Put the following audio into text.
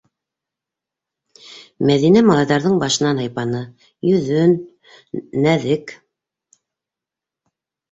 Мәҙинә малайҙарҙың башынан һыйпаны, йөҙөн нәҙек